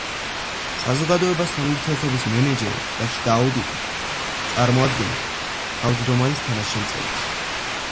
საზოგადოებასთან ურთიერთობის მენეჯერი და შიდა აუდიტი წარმოადგენენ თავმჯდომარის თანაშემწეებს.